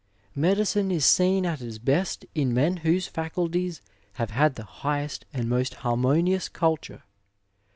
Medicine is seen at its best in men whose faculties have had the highest and most harmonious culture.